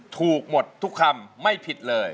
ถูกหมดทุกคำไม่ผิดเลย